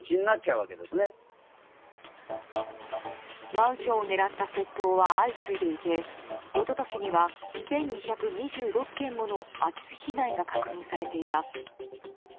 マンションを狙った窃盗は相次いでいて一昨年には１２２６件もの空き巣被害が確認されています。